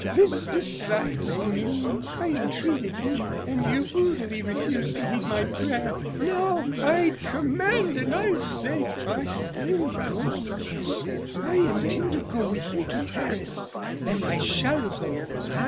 this decides me. I entreated you, and you brutally refused to heed my prayer, now I command and I say: 'I will go!' Yes, I intend to go with you to Paris and I shall go.